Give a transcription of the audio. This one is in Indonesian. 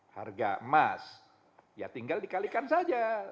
harga emas ya tinggal dikalikan saja